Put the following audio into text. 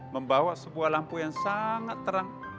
membawa sebuah lampu yang sangat terang